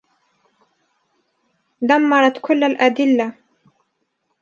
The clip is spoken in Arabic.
دمرت كل الأدلة.